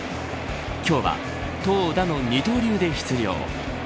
今日は投打の二刀流で出場。